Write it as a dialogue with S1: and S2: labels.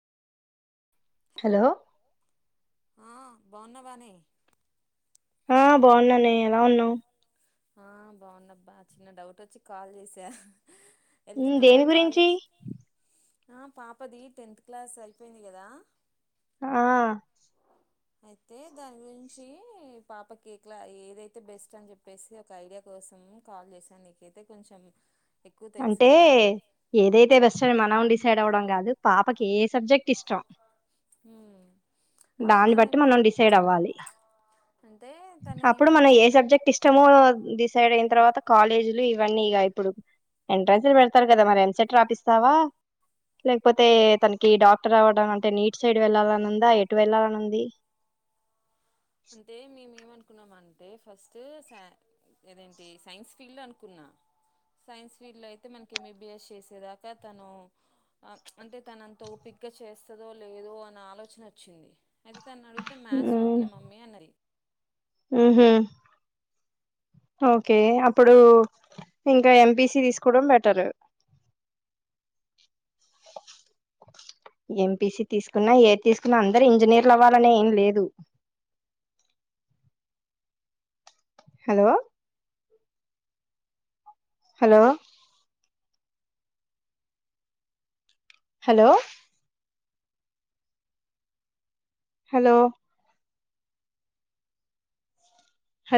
S1: Hello.
S2: ఆ బాన్నావానే.
S1: ఆ బాన్నానే ఎలా ఉన్నావు.
S2: ఆ బాగున్నబ్బా చిన్న డౌట్ వచ్చి కాల్ చేసా.
S1: ఉం
S2: వెళ్తున్నావా
S1: దేని గురించి.
S2: కాలేజ్ ఆ పాపది టెన్త్ క్లాస్ అయిపోయింది కదా.
S1: ఆ.
S2: అయితే దానీ గురించి పాపకి ఎట్లా కెదైతే బెస్ట్ అని చెప్. చెప్పేసి ఒక ఐడియా కోసం కాల్ చేశాను నీకైతే కొంచెం. ఎక్కువ తెలుసు
S1: అంటే
S2: కదా
S1: ఏదైతే బెస్ట్ అని మనం డీస్. డిసైడ్ అవడం కాదు పాపకి ఏ సబ్జెక్ట్ ఇష్టం.
S2: ఉమ్ అంటే
S1: దాన్ని
S2: తను
S1: బట్టి మనం డిసైడ్ అవ్వాలి
S2: అంటే తను
S1: అప్పుడు మనం
S2: ఏమను
S1: ఏ సబ్జెక్ట్ ఇష్టమో. డిసైడ్ అయిన తర్వాత కాలేజీలు ఇవన్నీ ఇగా ఇప్పుడు. ఎంట్రన్స్లు పెడతారు కదా మరి ఎంసెట్ రాపిస్తావా లేకపోతే తనకి డాక్టర్ అవ్వడం అంటే నీట్ సైడ్ వెళ్ళాలని ఉందా ఎటు వెళ్ళాలనఉంది.
S2: అంటే మేం ఏమనూ. అనుకున్నాము అంటే ఫస్ట్ స అదేంటి సైన్స్ ఫీల్డ్ అనుకున్నా సైన్స్ ఫీల్డ్ అయితే మనకి ఎంబీబీఎస్ చేసేదాకా తను అంటే తన అంత ఓపిగ్గ చేస్తదో లేదో అన్న ఆలోచన వచ్చింది. అయితే తననీ అడుగుతే మ్యాథ్స్ ఓకే మా.
S1: ఊహూ ఓకే అప్పుడు ఇంకా ఎంపీసి తీసుకోవడం బెటరూ. ఎంపీసి తీసుకున్నా ఏది తీసుకున్నా అందరు ఇంజనీర్లు అవ్వాలనే ఏం లేదు. హలో. హలో. హలో. హలో.